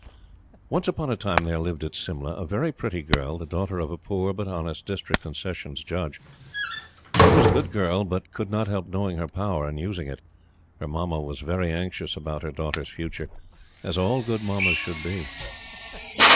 Once upon a time there lived at Simla a very pretty girl, the daughter of a poor but honest District and Sessions Judge. She was a good girl, but could not help knowing her power and using it. Her Mamma was very anxious about her daughter's future, as all good Mammas should be.